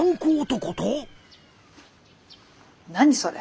何それ？